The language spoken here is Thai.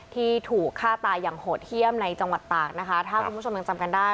ที่ถูกฆ่าตายอย่างโหดเยี่ยมในจังหวัดตากนะคะถ้าคุณผู้ชมยังจำกันได้